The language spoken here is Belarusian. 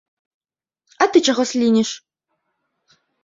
А ты чаго слініш?